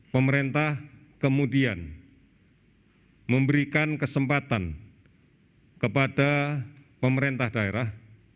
pemerintah kemudian memberikan kesempatan kepada pemerintah daerah